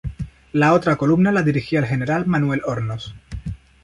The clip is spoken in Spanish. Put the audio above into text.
La otra columna la dirigía el general Manuel Hornos.